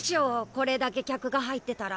これだけ客が入ってたら。